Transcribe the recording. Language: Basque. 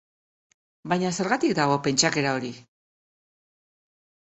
Baina zergatik dago pentsakera hori?